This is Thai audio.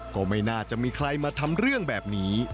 ก็ไม่น่าจะมีใครมาทำเรื่องแบบนี้